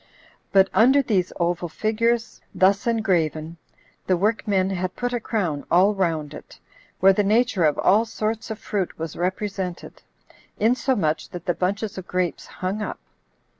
But under these oval figures, thus engraven, the workmen had put a crown all round it, where the nature of all sorts of fruit was represented, insomuch that the bunches of grapes hung up.